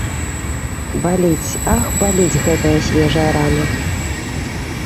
Баліць, ах, баліць гэтая свежая рана.